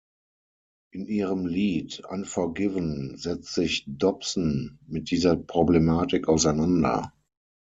In ihrem Lied "Unforgiven" setzt sich Dobson mit dieser Problematik auseinander.